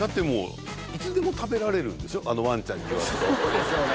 あのワンちゃんに言わすとそうですよね